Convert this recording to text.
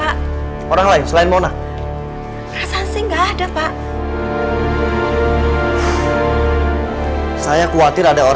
kalau kita bisa datang ke rumah zit want